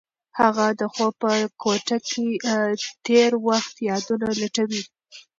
هغه د خوب په کوټه کې د تېر وخت یادونه لټوي.